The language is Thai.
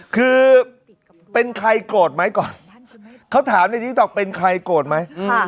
คือเป็นใครโกรธไหมก่อนเขาถามในติ๊กต๊อกเป็นใครโกรธไหม